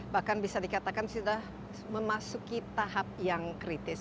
bahkan bisa dikatakan sudah memasuki tahap yang kritis